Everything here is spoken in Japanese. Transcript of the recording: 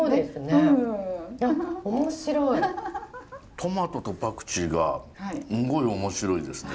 トマトとパクチーがすんごい面白いですね。